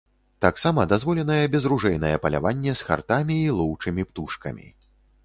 Таксама дазволенае безружэйнае паляванне з хартамі і лоўчымі птушкамі.